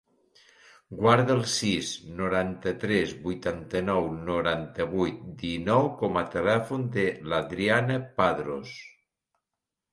Guarda el sis, noranta-tres, vuitanta-nou, noranta-vuit, dinou com a telèfon de l'Adriana Padros.